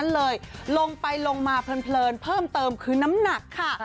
เลยลงไปลงมาเพลินเพิ่มเติมคือน้ำหนักค่ะ